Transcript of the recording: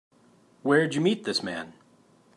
Where'd you meet this man?